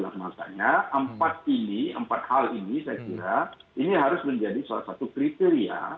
karena itulah maksudnya empat ini empat hal ini saya kira ini harus menjadi salah satu kriteria